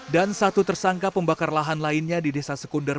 dan satu tersangka pembakar lahan lainnya di desa sekunder